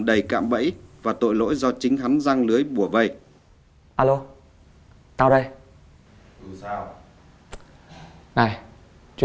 em mà không giúp anh